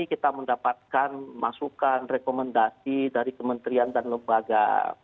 kita mendapatkan masukan rekomendasi dari kementerian dan lembaga